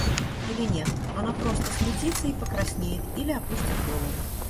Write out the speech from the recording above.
Или нет, она просто смутится и покраснеет или опустит голову.